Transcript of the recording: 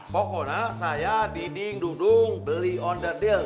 pokoknya saya diding dudung beli on the deal